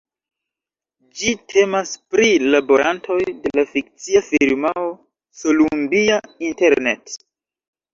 Ĝi temas pri laborantoj de la fikcia firmao Columbia Internet.